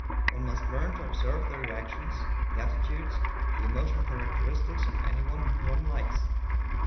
One must learn to observe the reactions, the attitudes, the emotional characteristics of anyone whom one likes.